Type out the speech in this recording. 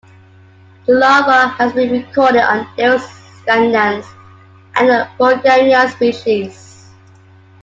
The larva has been recorded on "Derris scandens" and "Pongamia" species.